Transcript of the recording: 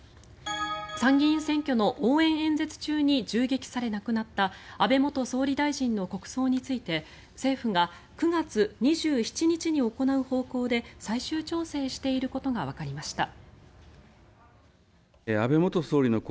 参議院選挙の応援演説中に銃撃され、亡くなった安倍元総理大臣の国葬について政府が９月２７日に行う方向で最終調整していることがわかりました。